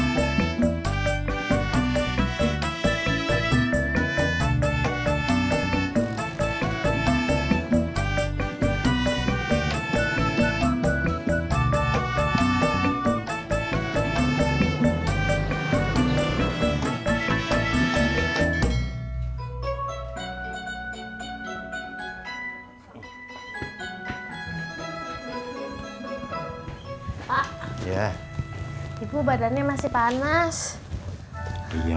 lagi marahan ya